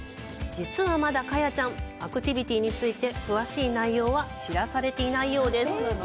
実は、まだカヤちゃんアクティビティについて詳しい内容は知らされていないようです。